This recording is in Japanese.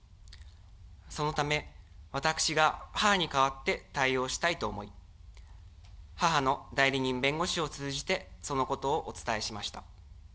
そのため、私が母に代わって対応したいと思い、母の代理人弁護士を通じて、そのことをお伝えしました。